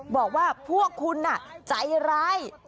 บอกว่าพวกคุณใจร้าย